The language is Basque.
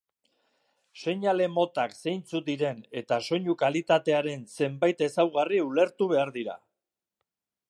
Seinale motak zeintzuk diren eta soinu-kalitatearen zenbait ezaugarri ulertu behar dira